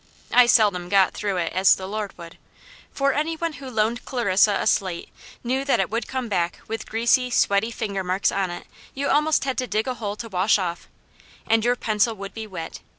I seldom got through it as the Lord would, for any one who loaned Clarissa a slate knew that it would come back with greasy, sweaty finger marks on it you almost had to dig a hole to wash off, and your pencil would be wet.